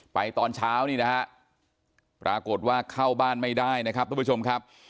ตอนเช้านี่นะฮะปรากฏว่าเข้าบ้านไม่ได้นะครับทุกผู้ชมครับ